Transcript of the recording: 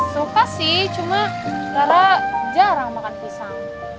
suka sih cuma karena jarang makan pisang